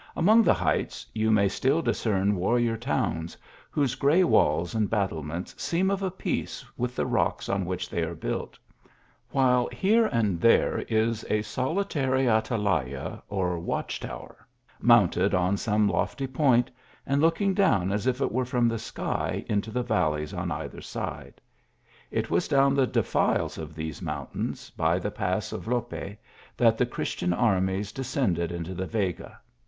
Among the heights you may still discern warrior towns, whose gray walls and battle ments seem of a piece with the rocks on which they r/re built ; while here and there is a solitary atalaya or watch tower, mounted on some lofty point, and looking down as ii it were from the sky, into the val leys on either side. It was down the defiles of these THE TOWER OF COMAEES. 43 mountains, by the pass of Lope, that the Christian armies descended into the Vega.